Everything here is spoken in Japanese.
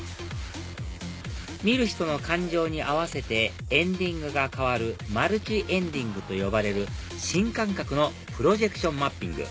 見る人の感情に合わせてエンディングが変わるマルチエンディングと呼ばれる新感覚のプロジェクションマッピング